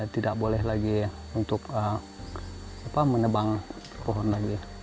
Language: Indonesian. tidak boleh lagi untuk menebang pohon lagi